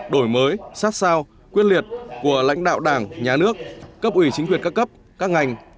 đổi mới sát sao quyết liệt của lãnh đạo đảng nhà nước cấp ủy chính quyền các cấp các ngành